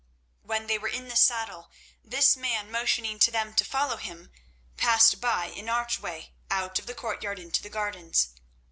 When they were in the saddle, this man, motioning to them to follow him, passed by an archway out of the courtyard into the gardens.